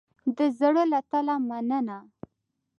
د زړه له تله مننه